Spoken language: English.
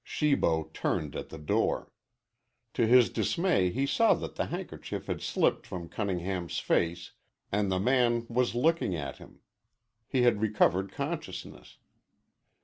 Shibo turned at the door. To his dismay he saw that the handkerchief had slipped from Cunningham's face and the man was looking at him. He had recovered consciousness.